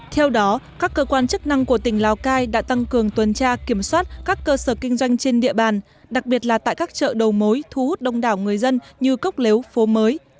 theo đó các cơ quan chức năng của tỉnh lào cai đã tăng cường tuần tra kiểm soát các cơ sở kinh doanh trên địa bàn đặc biệt là tại các chợ đầu mối thu hút đông đảo người dân như cốc lếu phố mới